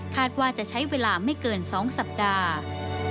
ว่าจะใช้เวลาไม่เกิน๒สัปดาห์